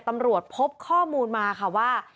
ตำรวจพบข้อมูลมาค่ะว่า